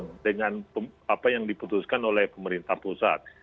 jadi sinkron dengan apa yang diputuskan oleh pemerintah pusat